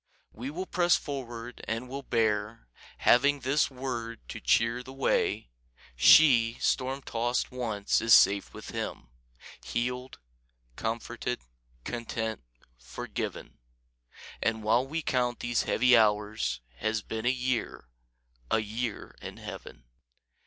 We will press forward and will bear, Having this word to cheer the way: She, storm tossed once, is safe with Him, Healed, comforted, content, forgiven; And while we count these heavy hours Has been a year, a year in Heaven.